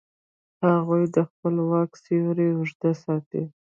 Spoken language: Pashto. هغوی د خپل واک سیوری اوږده ساته.